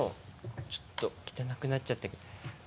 ちょっと汚くなっちゃって。